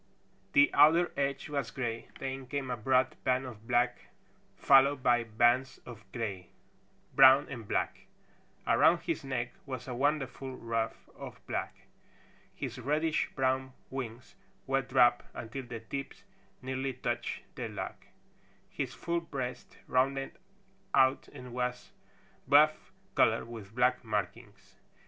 The outer edge was gray, then came a broad band of black, followed by bands of gray, brown and black. Around his neck was a wonderful ruff of black. His reddish brown wings were dropped until the tips nearly touched the log. His full breast rounded out and was buff color with black markings.